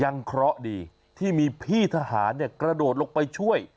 เคราะห์ดีที่มีพี่ทหารกระโดดลงไปช่วย